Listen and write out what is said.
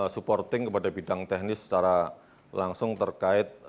supporting kepada bidang teknis secara langsung terkait